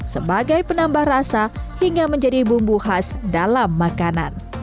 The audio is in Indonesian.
sebagai penambah rasa hingga menjadi bumbu khas dalam makanan